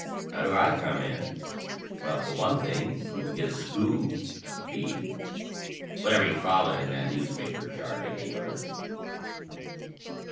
"How do I come in?" "Well, for one thing, you will get a scoop, a beat, — whatever you call it in that newspaper jargon of yours."